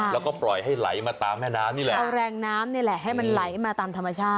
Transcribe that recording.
แล้วก็ปล่อยให้ไหลมาตามแม่น้ำนี่แหละเอาแรงน้ำนี่แหละให้มันไหลมาตามธรรมชาติ